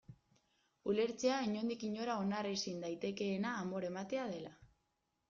Ulertzea inondik inora onar ezin daitekeena amore ematea dela.